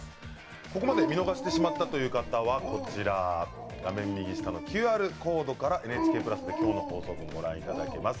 ここまで見逃してしまったという方は画面右下のＱＲコードからＮＨＫプラスで今日の放送分をご覧いただけます。